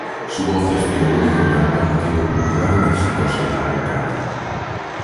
Su voz y estilo único le han permitido cultivar una exitosa y larga carrera.